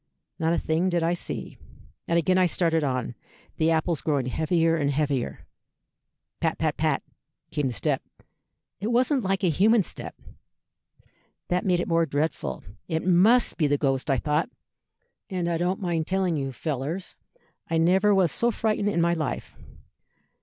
Not a thing did I see. And again I started on, the apples growing heavier and heavier. Pat, pat, pat, came the step. It wasn't like a human step. That made it more dreadful. 'It must be the ghost,' I thought; and I don't mind telling you, fellers, I never was so frightened in my life.